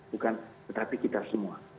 bukan tetapi kita semua